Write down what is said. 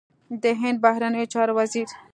د هند بهرنیو چارو وزیر